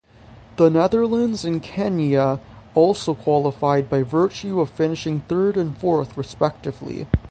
The Netherlands and Kenya also qualified by virtue of finishing third and fourth respectively.